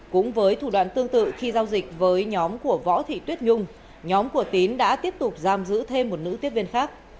cũng với thủ đoạn tương tự khi giao dịch với nhóm của võ thị tuyết nhung nhóm cổ tín đã tiếp tục giam giữ thêm một nữ tiếp viên khác